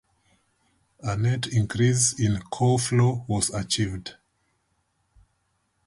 A net increase in core flow was achieved.